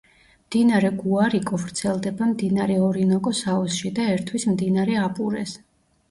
მდინარე გუარიკო ვრცელდება მდინარე ორინოკოს აუზში და ერთვის მდინარე აპურეს.